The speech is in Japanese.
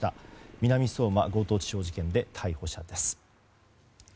南相馬強盗致傷事件で逮捕者です。